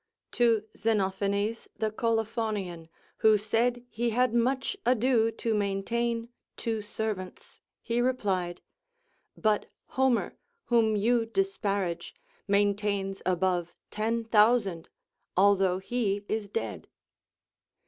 To Xenophanes the Colophonian, who said he had much ado to maintain two servants, he replied : But Homer, whom you disparage, maintains above ten thousand, although he is dead.